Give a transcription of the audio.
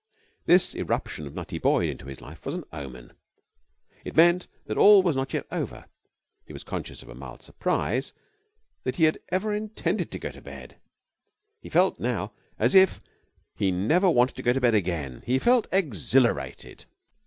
This irruption of Nutty Boyd into his life was an omen. It meant that all was not yet over. He was conscious of a mild surprise that he had ever intended to go to bed. He felt now as if he never wanted to go to bed again. He felt exhilarated.